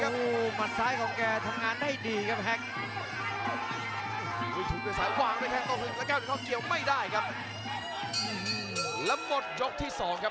โอ้โหมันซ้ายของแกทำงานได้ดีครับ